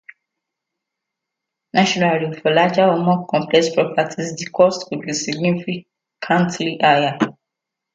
Naturally, for larger or more complex properties, the costs could be significantly higher.